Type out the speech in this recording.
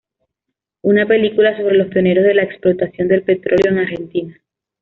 Una película sobre los pioneros de la explotación del petróleo en Argentina.